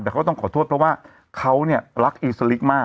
แต่เขาก็ต้องขอโทษเพราะว่าเขารักอิวสลิกมาก